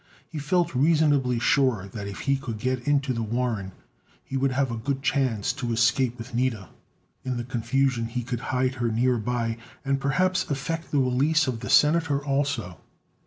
He felt reasonably sure that if he could get into the warren he would have a good chance to escape with Nida. In the confusion he could hide her nearby, and perhaps effect the release of the senator also.